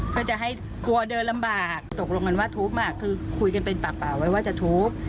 เพื่อจะให้กลัวเดินลำบากตกลงกันว่าทุบคือคุยกันเป็นปากไว้ว่าจะทุบ